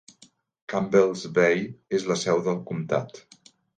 Campbell's Bay és la seu del comtat.